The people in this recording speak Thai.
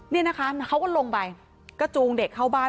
นี่นะคะเขาก็ลงไปก็จูงเด็กเข้าบ้าน